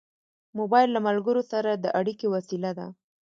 موبایل له ملګرو سره د اړیکې وسیله ده.